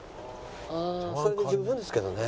それで十分ですけどね。